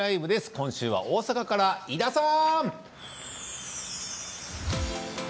今週は大阪から井田さん！